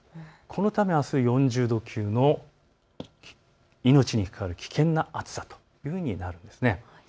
このため、あすは４０度級の命に関わる危険な暑さとなるんです。